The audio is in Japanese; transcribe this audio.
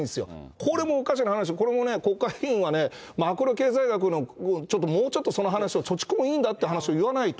これもおかしな話、国会議員はね、マクロ経済学の、ちょっともうちょっとその話を、貯蓄もいいんだっていう話も言わないと。